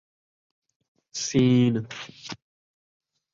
س